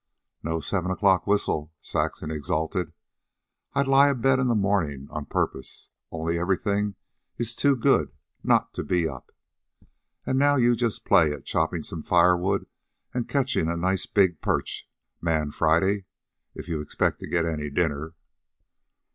"No seven o'clock whistle," Saxon exulted. "I'd lie abed in the mornings on purpose, only everything is too good not to be up. And now you just play at chopping some firewood and catching a nice big perch, Man Friday, if you expect to get any dinner."